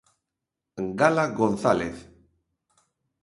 Gala González.